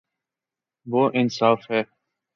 وہ انصا ف ہے